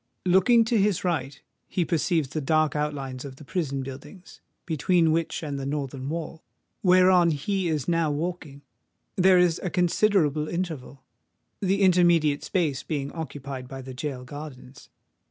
Looking to his right, he perceives the dark outlines of the prison buildings, between which and the northern wall, whereon he is now walking, there is a considerable interval, the intermediate space being occupied by the gaol gardens.